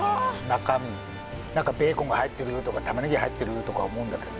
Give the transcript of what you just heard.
中身何かベーコンが入ってるとか玉ネギ入ってるとか思うんだけど